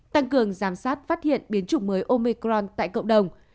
tăng cường giám sát phát hiện biến chủng mới omicron tại cộng đồng